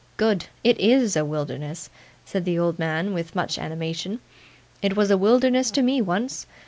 Good! It IS a wilderness,' said the old man with much animation. 'It was a wilderness to me once.